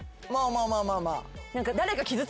まあまあまあまあ。